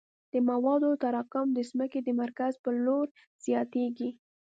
د موادو تراکم د ځمکې د مرکز په لور زیاتیږي